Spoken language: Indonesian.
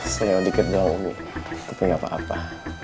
saya dikerjakan tapi gak apa apa